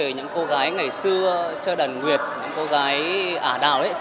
những cô gái ngày xưa chơi đàn nguyệt những cô gái ả đào